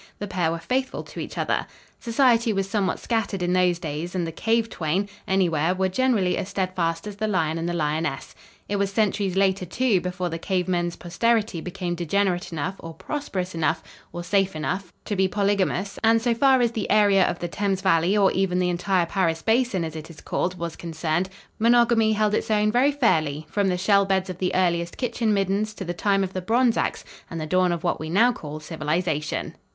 The pair were faithful to each other. Society was somewhat scattered in those days, and the cave twain, anywhere, were generally as steadfast as the lion and the lioness. It was centuries later, too, before the cave men's posterity became degenerate enough or prosperous enough, or safe enough, to be polygamous, and, so far as the area of the Thames valley or even the entire "Paris basin," as it is called, was concerned, monogamy held its own very fairly, from the shell beds of the earliest kitchen middens to the time of the bronze ax and the dawn of what we now call civilization.